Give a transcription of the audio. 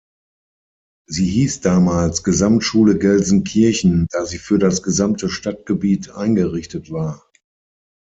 Sie hieß damals Gesamtschule Gelsenkirchen, da sie für das gesamte Stadtgebiet eingerichtet war.